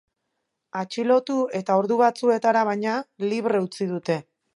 Atxilotu eta ordu batzuetara, baina, libre utzi dute.